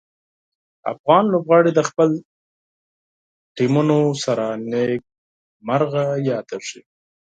افغان لوبغاړي د خپلو ټیمونو سره نیک مرغه یادیږي.